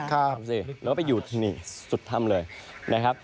ดูสิแล้วก็ไปอยู่ที่นี่สุดถ้ำเลยนะครับ